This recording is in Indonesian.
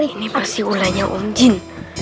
ini pasti ulanya om jin